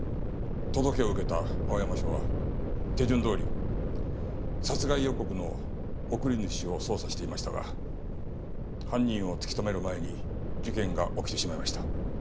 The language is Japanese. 届けを受けた青山署は手順どおり殺害予告の送り主を捜査していましたが犯人を突き止める前に事件が起きてしまいました。